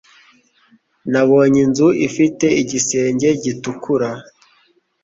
nabonye inzu ifite igisenge gitukura